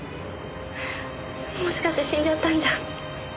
もしかして死んじゃったんじゃ。